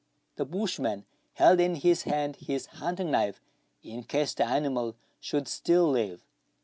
The bushman held in his hand his hunting knife, in case the animal should still live.